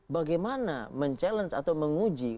bagaimana mencabar atau menguji